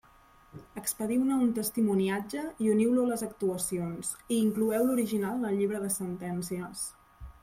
Expediu-ne un testimoniatge i uniu-lo a les actuacions, i incloeu l'original en el llibre de sentències.